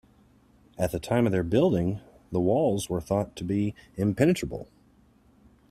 At the time of their building, the walls were thought to be impenetrable.